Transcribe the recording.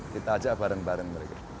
kita ajak bareng bareng mereka